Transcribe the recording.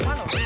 eh eh dapet